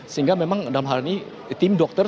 sehingga memang dalam hal ini tim dokter